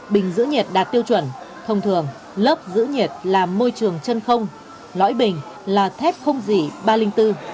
bình giữ nhiệt đạt tiêu chuẩn thông thường lớp giữ nhiệt làm môi trường chân không lõi bình là thép không dỉ ba trăm linh bốn